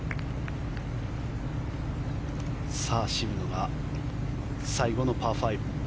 渋野が最後のパー５。